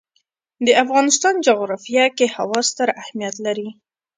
د افغانستان جغرافیه کې هوا ستر اهمیت لري.